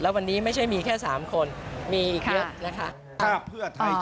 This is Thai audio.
วันนี้ไม่ใช่มีแค่๓คนมีอีกเยอะนะคะ